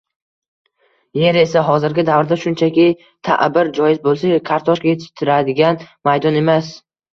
Yer esa hozirgi davrda shunchaki, ta’bir joiz bo‘lsa, kartoshka yetishtiradigan maydon emas